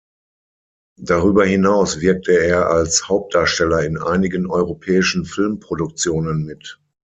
Darüber hinaus wirkte er als Hauptdarsteller in einigen europäischen Filmproduktionen mit.